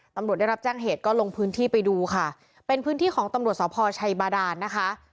ตำรวจได้รับแจ้งเหตุก็ลงพื้นที่ไปดูค่ะเป็นพื้นที่ของตำรวจสพชัยบาดานนะคะ